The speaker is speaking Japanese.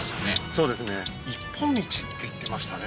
そうですねって言ってましたね